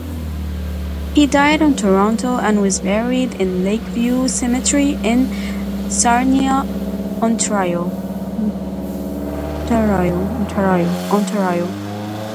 He died in Toronto and was buried in Lakeview Cemetery in Sarnia, Ontario.